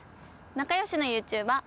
仲良しのＹｏｕＴｕｂｅｒ